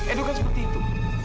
edo kan seperti itu